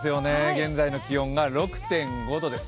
現在の気温が６．５度です。